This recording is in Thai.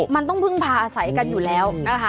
มันต้องพึ่งพาอาศัยกันอยู่แล้วนะคะ